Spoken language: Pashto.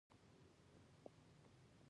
شفافیت په اداره کې اړین دی